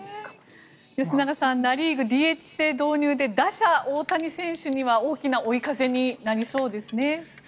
吉永さん、ナ・リーグＤＨ制導入で打者・大谷選手には大きな追い風になりそうですね。